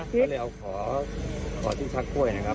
ผมเอาขอบทิชชักค่วย